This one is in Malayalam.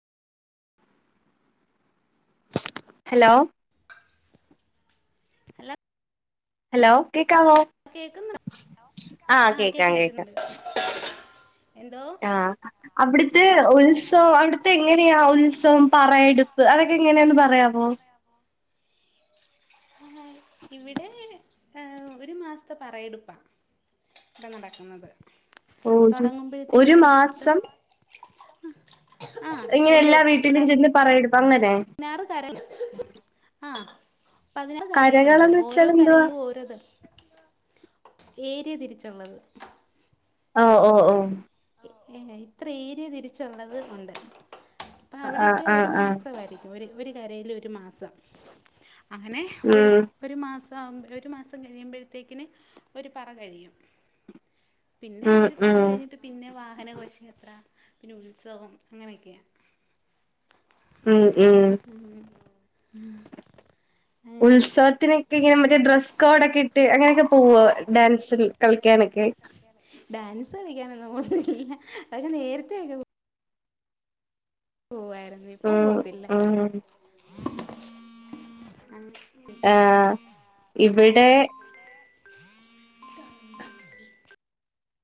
ഹലോ ഹലോ [unintelligible] ഹലോ കേ- ആ കേക്കുന്നു ആഹ് ആഹ കേക്കാൻ കേക്കാം പറ്റുന്നുണ്ട് എന്തോ ആഹ അവിടുത്തെ ഉത്സവം അവിടുത്തെ എങ്ങനെയാ ഉത്സവം പറയടുപ്പ് അതൊക്ക എങ്ങനെയന്ന് പറയാമോ ആ ഇവിടെ ഒരു മാസത്തെ പറയടുപ്പാ ഇവിടെ നടക്കുന്നത് ഒരു തുടങ്ങുമ്പോഴത്തേക്കിനും മാസം ഉം [unintelligible] ഇങ്ങനെ എല്ലാ വീട്ടിലും ചെന്ന് പറയിടും പതിനാല് കര ആഹ പതിനാല് കരകളുണ്ട് കരകളന്ന് ഓരോ വെച്ചാൽ എന്തുവാ കരകളിലും ഓരോ- പറ്റേ [unintelligible] തിരിച്ചുള്ളത് ഓ ഓ ഓ ഏ ഇത്ര ഏരിയ തിരിച്ചുള്ളത് ഉണ്ട് അപ്പോം ആഹ് അവിടെയൊക്കെ ആഹ് ഒരു ആഹ് മാസമായിരിക്കും ഒരു- ഒരു [unintelligible] ഒരു മാസം അങ്ങനെ ഒരു ഉം ഒരു മാസ അ. ഒരു മാസം കഴിയുമ്പോഴത്തേക്കിന് ഒരു പറ കഴിയും. പിന്നെ ഉം അവര് പറ ഉം കഴിഞ്ഞിട്ട്. പിന്നെ. വാഹനഘോഷയാത്ര പിന്നെ ഉത്സവം അങ്ങനെയൊക്കെയാണ്. ഉം ഉം. ഉം. ഉത്സവത്തിനെക്കെ മറ്റെ ഡ്രസ്സ് കോഡൊക്കെ ഇട്ട് അങ്ങനെയൊക്കെ പോവുവ. ഡാൻസ് കളിക്കാനൊക്കെ കെക്ക്. [unintelligible] ഡാൻസ് കളിക്കാനൊന്നും പോത്തില്ല ഹ ഹ ല്ല പക്ഷെ നേരത്തെ പോവായിരുന്നു ഇപ്പ ഉം പോത്തില്ല. ഉം ആഹ. ഇവിടെ. [inaudible]